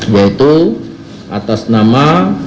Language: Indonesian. yaitu atas nama